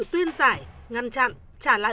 tuyên giải ngăn chặn trả lại